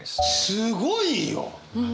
すごいよ！